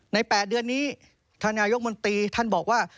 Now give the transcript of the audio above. ๘เดือนนี้ท่านนายกมนตรีท่านบอกว่า